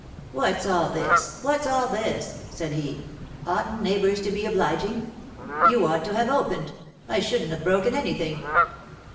"What's all this? What's all this?" said he. "Oughtn't neighbours to be obliging? You ought to have opened; I shouldn't have broken anything."